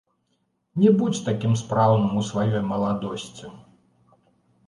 Не будзь такім спраўным у сваёй маладосці.